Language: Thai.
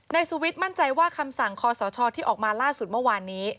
สุวิทย์มั่นใจว่าคำสั่งคอสชที่ออกมาล่าสุดเมื่อวานนี้